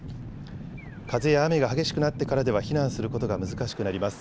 風や雨が激しくなってからでは避難することが難しくなります。